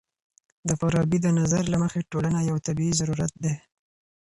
د فارابي د نظر له مخې ټولنه يو طبيعي ضرورت دی.